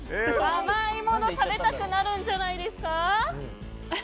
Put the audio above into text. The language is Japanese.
甘いもの食べたくなるんじゃないですか？